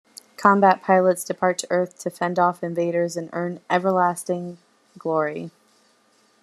Combat pilots depart the Earth to fend off the invaders and earn everlasting glory.